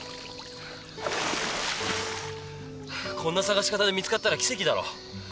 こんな捜し方で見つかったら奇跡だろ。